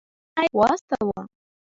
د سفیر په حیث واستاوه.